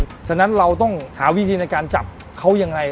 เพราะฉะนั้นเราต้องหาวิธีในการจับเขายังไง